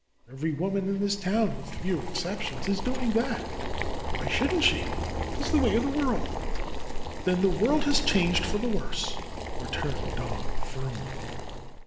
Every woman in this town, with few exceptions, is doing that. Why shouldn't she ? 'Tis the way of the world." "Then the world has changed for the worse," returned Don firmly.